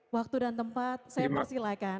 waktu dan tempat saya persilahkan